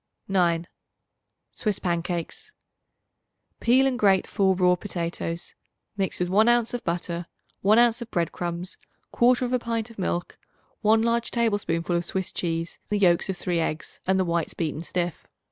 9. Swiss Pancakes. Peel and grate 4 raw potatoes; mix with 1 ounce of butter, 1 ounce of bread crumbs, 1/4 pint of milk, 1 large tablespoonful of Swiss cheese, the yolks of three eggs and the whites beaten stiff.